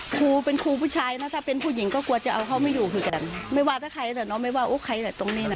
ครูเป็นครูผู้ชายนะถ้าเป็นผู้หญิงก็กลัวจะเอาเขาไม่อยู่คือกันไม่ว่าถ้าใครแต่เนาะไม่ว่าโอ้ใครแหละตรงนี้น่ะ